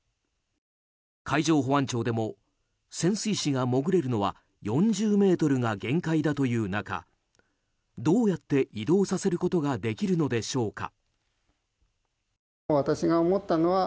海上保安庁でも潜水士が潜れるのは４０ｍが限界だという中どうやって移動させることができるのでしょうか？